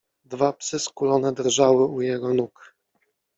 Dwa psy skulone drżały u jego nóg.